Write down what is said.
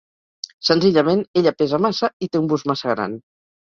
Senzillament ella pesa massa i té un bust massa gran.